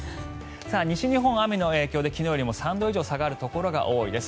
西日本雨の影響で昨日よりも３度以上下がるところが多いです。